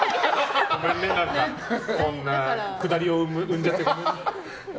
ごめんねこんなくだりを生んじゃって。